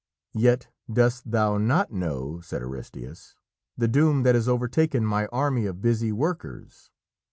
"Yet dost thou not know," said Aristæus, "the doom that has overtaken my army of busy workers.